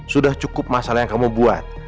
sudah cukup masalah yang kamu buat